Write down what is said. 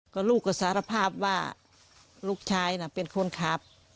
ก็ลูกก็สารภาพว่าลูกชายน่ะเป็นคนขับ